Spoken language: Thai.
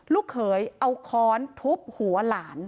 ลูกเขยเอาค้อนทุบหัวหลาน